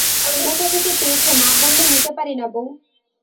কোথা থেকে পেয়েছ না বললে নিতে পারি না বৌ।